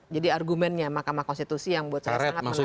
jadi argumennya mk yang buat saya sangat mengaret